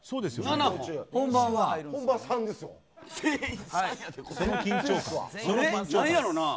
なんやろな。